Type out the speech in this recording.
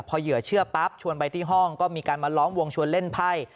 พอเหยื่อเชื่อปั๊บชวนไปที่ห้องก็มีการมาล้อมวงชวนเล่นไพ่